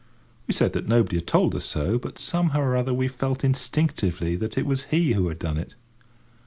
We said that nobody had told us so, but somehow or other we felt instinctively that it was he who had done it.